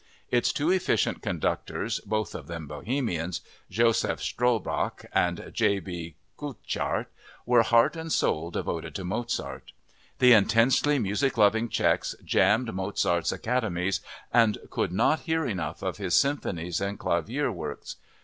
Its two efficient conductors (both of them Bohemians), Josef Strobach and J. B. Kucharz, were heart and soul devoted to Mozart. The intensely music loving Czechs jammed Mozart's academies and could not hear enough of his symphonies and clavier works.